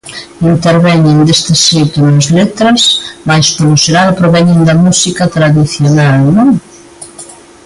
Interveñen deste xeito nas letras, mais polo xeral proveñen da música tradicional, non?